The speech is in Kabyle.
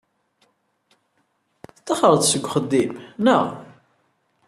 Tettaxreḍ-d seg uxeddim, naɣ?